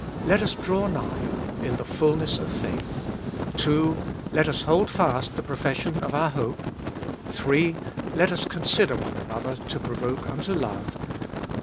Let us draw nigh (in the fulness vlfaitK). 2. Let us hold fast the profession of our hope. 3. Let us consider one another to provoke unto love.